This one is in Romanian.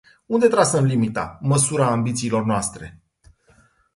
Unde trasăm limita, măsura ambițiilor noastre?